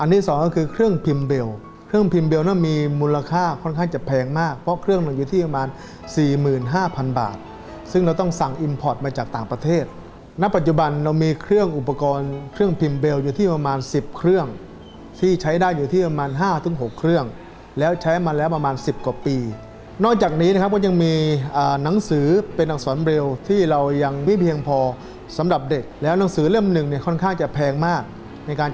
ก็คือเครื่องพิมพ์เบลเครื่องพิมพ์เบลมีมูลค่าค่อนข้างจะแพงมากเพราะเครื่องมันอยู่ที่ประมาณ๔๕๐๐๐บาทซึ่งเราต้องสั่งอิมพอร์ตมาจากต่างประเทศณปัจจุบันเรามีเครื่องอุปกรณ์เครื่องพิมพ์เบลอยู่ที่ประมาณ๑๐เครื่องที่ใช้ได้อยู่ที่ประมาณ๕๖เครื่องแล้วใช้มาแล้วประมาณ๑๐กว่าปีนอกจากนี้นะครับก็ยังมีหนัง